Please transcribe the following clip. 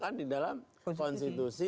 kan di dalam konstitusi